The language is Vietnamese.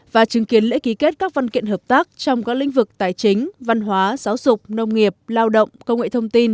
và chứng kiến lễ ký kết các văn kiện hợp tác trong các lĩnh vực tài chính văn hóa giáo dục nông nghiệp lao động công nghệ thông tin